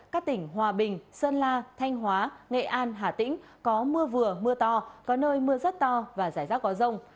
các tỉnh hòa bình sơn la thanh hóa nghệ an hà tĩnh có mưa vừa mưa to có nơi mưa rất to và rải rác có rông